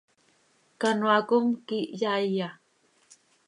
Canoaa com, ¿quíih yaaiya?